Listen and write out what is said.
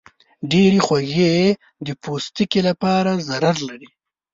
ډېرې خوږې د پوستکي لپاره ضرر لري.